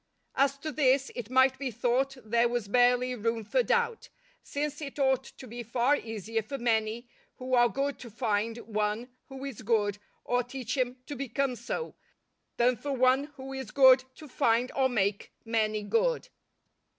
As to this it might be thought there was barely room for doubt, since it ought to be far easier for many who are good to find one who is good or teach him to become so, than for one who is good to find or make many good.